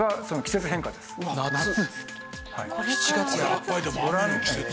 やっぱりでも雨の季節。